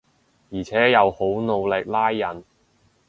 而且又好努力拉人